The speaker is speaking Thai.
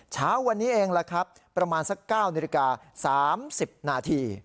เช้าวันนี้เองล่ะครับประมาณสัก๙นาฬิกา๓๐นาที